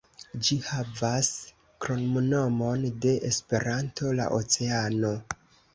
Ĝi havas kromnomon de Esperanto: "La Oceano".